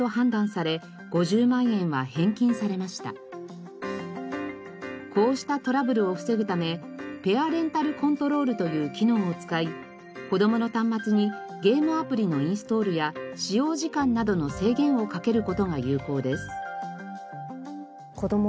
今回はこうしたトラブルを防ぐためペアレンタルコントロールという機能を使い子どもの端末にゲームアプリのインストールや使用時間などの制限をかける事が有効です。